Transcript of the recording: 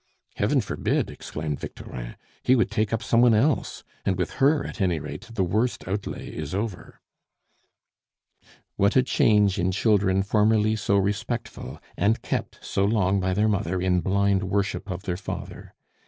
"Heaven forbid!" exclaimed Victorin. "He would take up some one else; and with her, at any rate, the worst outlay is over." What a change in children formerly so respectful, and kept so long by their mother in blind worship of their father!